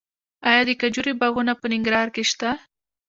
آیا د کجورې باغونه په ننګرهار کې شته؟